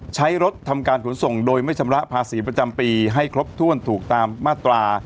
ใช้รถทำการขนส่งโดยไม่ชำระภาษีประจำปีให้ครบถ้วนถูกตามมาตรา